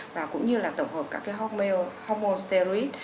và cũng như là tổng hợp các cái hormone steroid